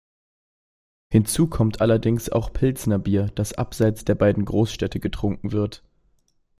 Hinzu kommt allerdings auch Pilsner Bier, das abseits der beiden Großstädte getrunken wird.